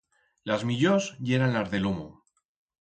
Las millors yeran las de lomo.